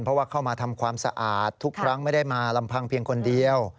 เพราะว่าเข้ามาทำความสะอาดทุกครั้งไม่ได้มาลำพังเพียงคนเดียว